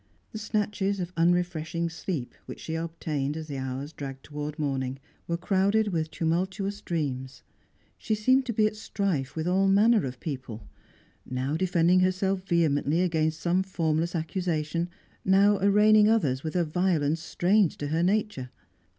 The snatches of unrefreshing sleep which she obtained as the hours dragged towards morning were crowded with tumultuous dreams; she seemed to be at strife with all manner of people, now defending herself vehemently against some formless accusation, now arraigning others with a violence strange to her nature.